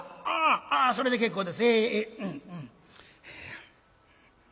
「ああそれで結構です。ええ」。